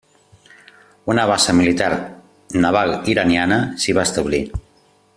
Una base militar naval iraniana s'hi va establir.